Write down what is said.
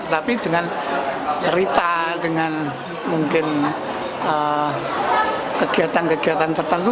tapi dengan cerita dengan mungkin kegiatan kegiatan tertentu